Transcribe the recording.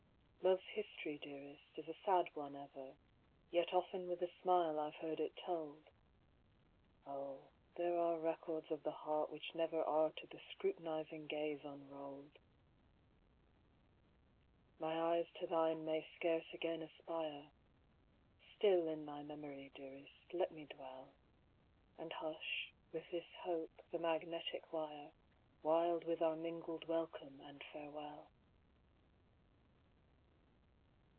Love's history, dearest, is a sad one ever, Yet often with a smile I've heard it told! Oh, there are records of the heart which never Are to the scrutinizing gaze unrolled! My eyes to thine may scarce again aspire Still in thy memory, dearest let me dwell, And hush, with this hope, the magnetic wire, Wild with our mingled welcome and farewell!